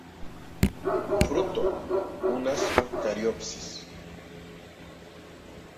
Fruto una cariopsis.